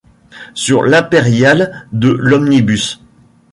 Sur l'impériale de l'omnibus.